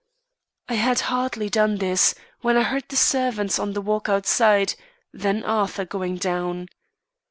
"I had hardly done this when I heard the servants on the walk outside, then Arthur going down.